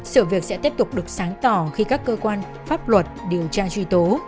sự việc sẽ tiếp tục được sáng tỏ khi các cơ quan pháp luật điều tra truy tố